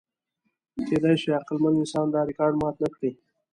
کېدی شي عقلمن انسان دا ریکارډ مات نهکړي.